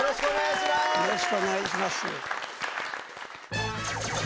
よろしくお願いします。